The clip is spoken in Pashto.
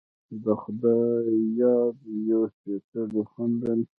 د خدای یاد یو سپیڅلی خوند لري.